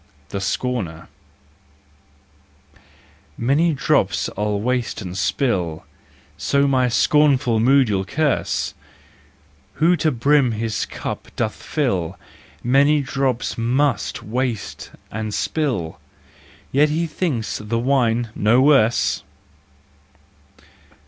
The Scorner . Many drops I waste and spill, So my scornful mood you curse: Who to brim his cup doth fill, Many drops must waste and spill— Yet he thinks the wine no worse.